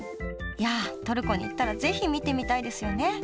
いやトルコに行ったら是非見てみたいですよね。